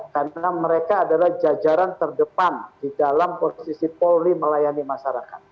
karena mereka adalah jajaran terdepan di dalam posisi polri melayani masyarakat